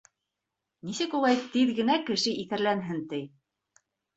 Нисек улай тиҙ генә кеше иҫәрләнһен ти.